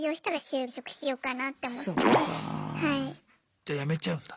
じゃ辞めちゃうんだ？